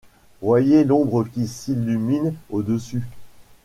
Voyez l’ombre qui s’illumine au-dessus !